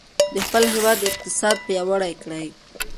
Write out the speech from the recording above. د خپل هېواد اقتصاد پیاوړی کړئ.